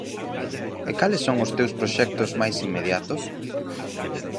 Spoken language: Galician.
E cales son os teus proxectos máis inmediatos?